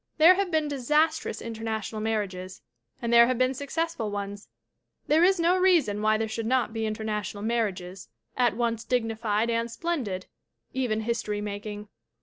"There have been disastrous international mar riages and there have been successful ones; there is no reason/why there should not be international mar riages at once dignified and splendid even history making.